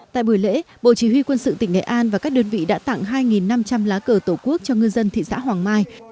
tại buổi lễ bộ chỉ huy quân sự tỉnh nghệ an và các đơn vị đã tặng hai năm trăm linh lá cờ tổ quốc cho ngư dân thị xã hoàng mai